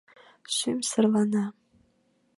Сӱмсырлана!.